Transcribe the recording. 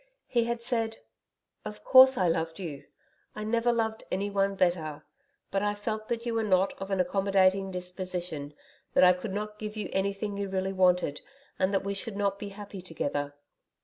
He had said, 'Of course, I loved you. I never loved anyone better, but I felt that you were not of an accommodating disposition that I could not give you anything you really wanted, and that we should not be happy together.'